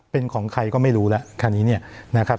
เป็นของใครก็ไม่รู้แล้วคราวนี้เนี่ยนะครับ